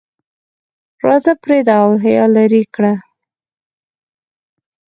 راځه پردې او حیا لرې کړه.